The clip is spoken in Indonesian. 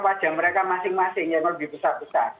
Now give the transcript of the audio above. wajah mereka masing masing yang lebih besar besar